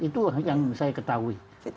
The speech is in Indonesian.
itu yang saya ketahui